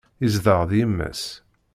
Yezdeɣ d yemma-s.